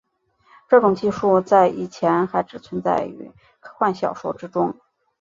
这种技术在以前还只存在于科幻小说之中。